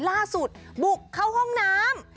ล่าสุดบุกเข้าห้องน้ำ